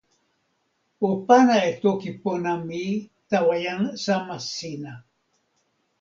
o pana e toki pona mi tawa jan sama sina.